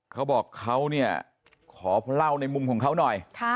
เขาบอกเขาเนี่ยขอเล่าในมุมของเขาหน่อย